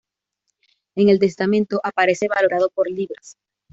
En el testamento aparece valorado por libras.